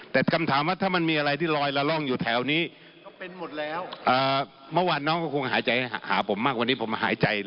แต่คำถามว่าถ้ามันมีอะไรที่ลอยละร่องอยู่แถวนี้